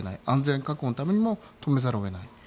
安全確保のために止めざるを得ない。